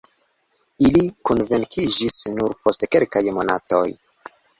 Ili konvinkiĝis nur post kelkaj monatoj.